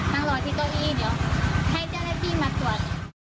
นั่งรอที่กะโก้ยเดี๋ยวให้เจ้าและพี่มาตรวจ